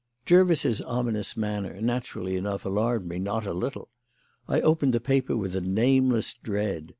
Jervis's ominous manner, naturally enough, alarmed me not a little. I opened the paper with a nameless dread.